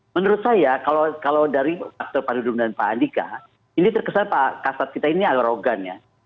menurut saya kalau dari faktor pak dudung dan pak andika ini terkesan pak kasat kita ini alorogan ya